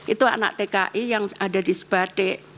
itu anak tki yang ada di sebatik